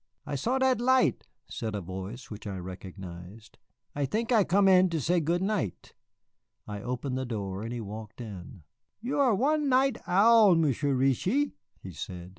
"I saw dat light," said a voice which I recognized; "I think I come in to say good night." I opened the door, and he walked in. "You are one night owl, Monsieur Reetchie," he said.